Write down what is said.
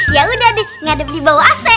yaudah deh ngadep di bawah ac